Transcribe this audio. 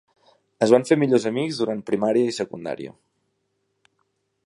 Es van fer millors amics durant primària i secundària.